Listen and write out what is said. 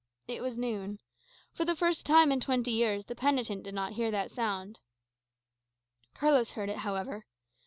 It was noon. For the first time for twenty years the penitent did not hear that sound. Carlos heard it, however.